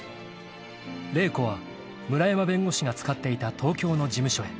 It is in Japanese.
［麗子は村山弁護士が使っていた東京の事務所へ］